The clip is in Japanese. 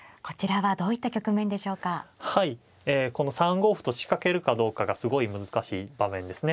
はいこの３五歩と仕掛けるかどうかがすごい難しい場面ですね。